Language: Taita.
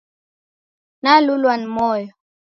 Nalulwa ni moyo!